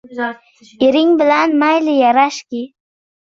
Ering bilan, mayli, yarashki